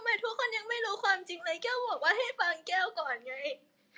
ทุกคนยังไม่รู้ความจริงเลยแก้วบอกว่าให้ฟังแก้วก่อนไง